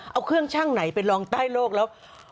เอาเครื่องช่างไหนไปลองใต้โลกแล้ว